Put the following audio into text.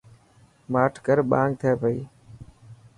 ماٺ ڪر ٻانگ ٿي پئي.